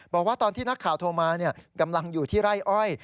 บอกว่าตอนที่นักข่าวโทรมากำลังอยู่ที่ไร่อ้อย